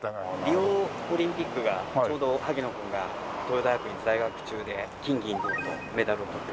リオオリンピックがちょうど萩野君が東洋大学に在学中で金銀銅とメダルをとって。